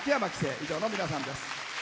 以上の皆さんです。